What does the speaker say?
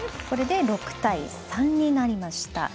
これで６対３になりました。